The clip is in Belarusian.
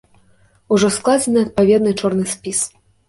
Ужо складзены адпаведны чорны спіс.